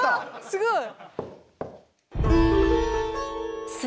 すごい！